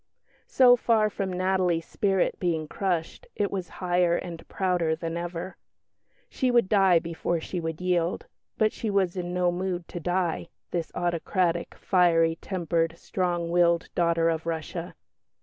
So far from Natalie's spirit being crushed, it was higher and prouder than ever. She would die before she would yield; but she was in no mood to die, this autocratic, fiery tempered, strong willed daughter of Russia.